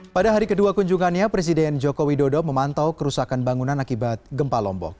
pada hari kedua kunjungannya presiden joko widodo memantau kerusakan bangunan akibat gempa lombok